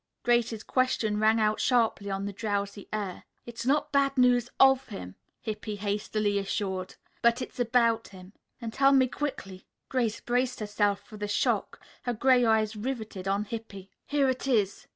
Grace's question rang out sharply on the drowsy air. "It's not bad news of him," Hippy hastily assured, "but it's about him." "Then tell me quickly." Grace braced herself for the shock, her gray eyes riveted on Hippy. "Here it is."